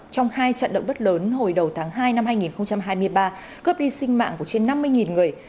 trong hai trận động bất lớn hồi đầu tháng hai năm hai nghìn hai mươi ba cướp đi sinh mạng của trên năm mươi người